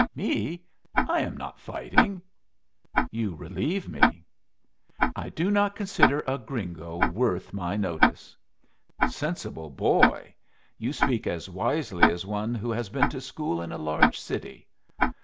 "Me? I am not fighting." "You relieve me." "I do not consider a gringo worth my notice." "Sensible boy! You speak as wisely as one who has been to school in a large city.